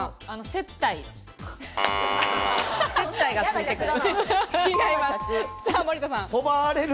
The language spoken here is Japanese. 接待がついてくる。